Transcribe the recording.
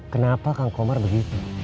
kenapa kang komar begitu